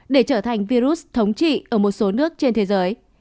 để trở thành virus thống trị ở một số nước trên thế giới